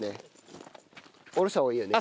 降ろした方がいいよね。